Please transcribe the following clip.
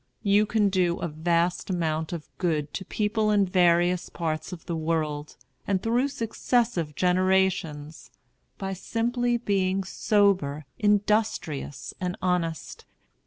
You can do a vast amount of good to people in various parts of the world, and through successive generations, by simply being sober, industrious, and honest.